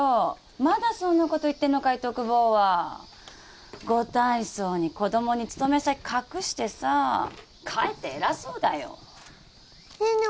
まだそんなこと言ってんのかい篤坊はご大層に子供に勤め先隠してさかえって偉そうだよねえねえ